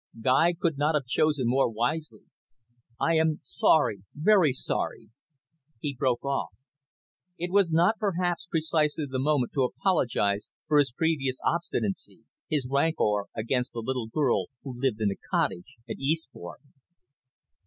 Guy could not have chosen more wisely. I am sorry very sorry " He broke off. It was not perhaps precisely the moment to apologise for his previous obstinacy, his rancour against "the little girl who lived in a cottage at Eastbourne."